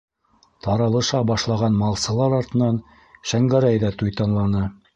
Таралыша башлаған малсылар артынан Шәңгәрәй ҙә туйтанланы.